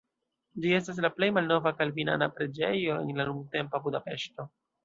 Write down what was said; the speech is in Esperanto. Ĝi estas la plej malnova kalvinana preĝejo en la nuntempa Budapeŝto.